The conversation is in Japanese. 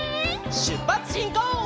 しゅっぱつしんこう！